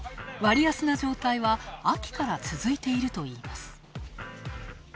割安な状態は秋から続いているといいます。